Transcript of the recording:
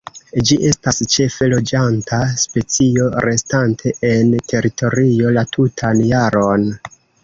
Ĝi estas ĉefe loĝanta specio, restante en teritorio la tutan jaron.